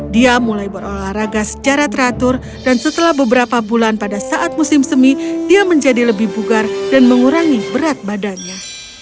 dia mulai berolahraga secara teratur dan setelah beberapa bulan pada saat musim semi dia menjadi lebih bugar dan mengurangi berat badannya